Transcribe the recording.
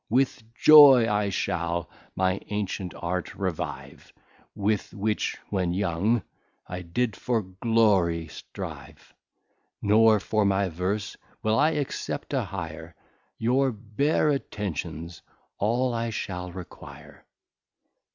With joy I shall my ancient Art revive, With which, when Young, I did for Glory strive. Nor for my Verse will I accept a Hire, Your bare Attentions all I shall require.